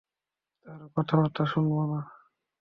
তার কথাবার্তা শুনব না।